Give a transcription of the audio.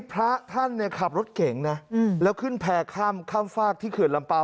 พระท่านเนี่ยขับรถเก่งนะแล้วขึ้นแพร่ข้ามฝากที่เขื่อนลำเปล่า